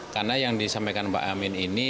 karena yang disampaikan mbak amin ini